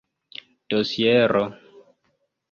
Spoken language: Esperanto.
dosiero